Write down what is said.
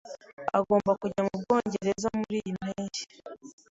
Agomba kujya mu Bwongereza muriyi mpeshyi.